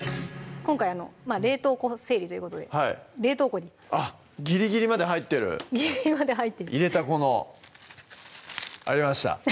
今回冷凍庫整理ということで冷凍庫にぎりぎりまで入ってる入れたこのありました